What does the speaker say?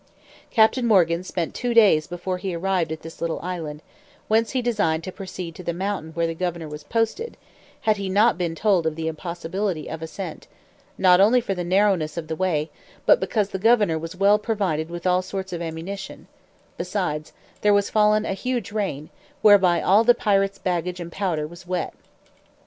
Captain Morgan spent two days before he arrived at this little island, whence he designed to proceed to the mountain where the governor was posted, had he not been told of the impossibility of ascent, not only for the narrowness of the way, but because the governor was well provided with all sorts of ammunition: beside, there was fallen a huge rain, whereby all the pirates' baggage and powder was wet.